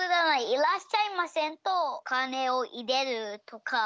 いらっしゃいませとおかねをいれるとか。